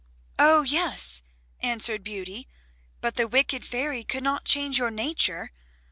"Oh, yes," answered Beauty, "but the wicked fairy could not change your nature.